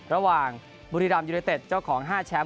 ระหว่างบุรีรัมย์ยูเนเต็ดเจ้าของ๕แชมป์